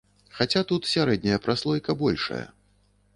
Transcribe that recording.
Хаця тут сярэдняя праслойка большая.